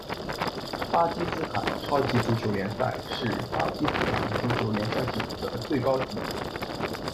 巴基斯坦超级足球联赛是巴基斯坦足球联赛系统的最高级别。